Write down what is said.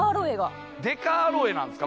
デカアロエなんですか？